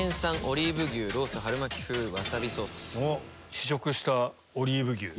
試食したオリーブ牛。